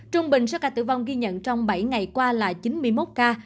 trung bình số ca tử vong ghi nhận trong bảy ngày qua là chín mươi một ca